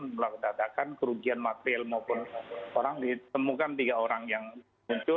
mengatakan kerugian material maupun orang ditemukan tiga orang yang muncul